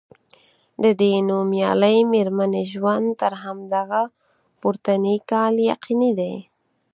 د دې نومیالۍ میرمنې ژوند تر همدغه پورتني کال یقیني دی.